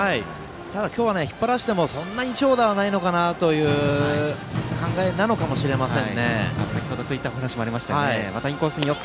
今日は引っ張らせてもそんなに長打はないという考えなのかもしれません。